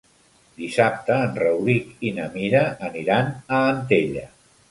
Dissabte en Rauric i na Mira aniran a Antella.